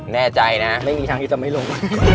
แน่ใจนะไม่มีทางที่จะไม่ลง